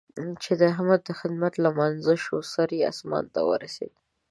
چې د احمد د خدمت لمانځه شوه؛ سر يې اسمان ته ورسېد.